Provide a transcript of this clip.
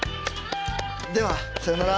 ではさようなら。